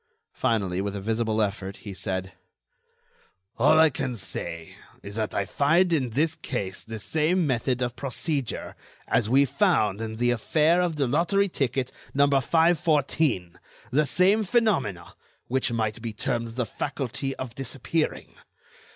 Finally, with a visible effort, he said: "All I can say is that I find in this case the same method of procedure as we found in the affair of the lottery ticket number 514; the same phenomena, which might be termed the faculty of disappearing.